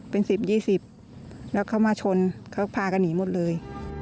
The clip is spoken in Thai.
เป็น๑๐๒๐แล้วเขามาชนเขาพากันหนีหมดเลย